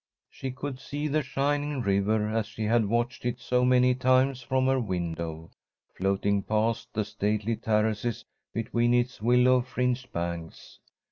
She could see the shining river, as she had watched it so many times from her window, flowing past the stately terraces between its willow fringed banks.